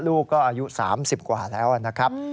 ลูกก็อายุ๓๐กว่าแล้วนะครับ